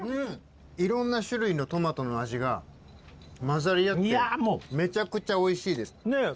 いろんな種類のトマトの味が混ざり合ってめちゃくちゃおいしいです。